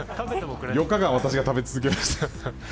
４日間、私が食べ続けました。